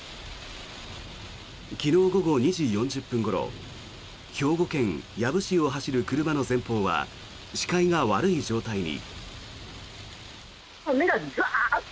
昨日午後２時４０分ごろ兵庫県養父市を走る車の前方は視界が悪い状態に。